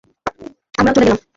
আমরাও চলে গেলাম।